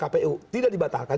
pkpu tidak dibatalkan